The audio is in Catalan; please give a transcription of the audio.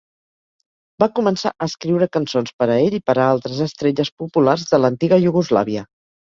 Va començar a escriure cançons per a ell i per a altres estrelles populars de l'antiga Iugoslàvia.